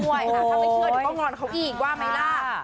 ถ้าไม่เชื่อเดี๋ยวก็งอนเขาอีกว่าไหมล่ะ